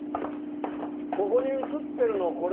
ここに写ってるのこれ。